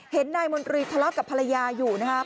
นายมนตรีทะเลาะกับภรรยาอยู่นะครับ